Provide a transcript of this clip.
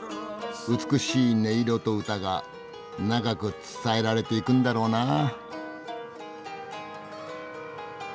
美しい音色と歌が長く伝えられていくんだろうなぁ。